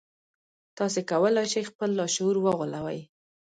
تاسې کولای شئ خپل لاشعور وغولوئ